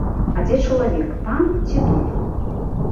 А дзе чалавек, там ці тут?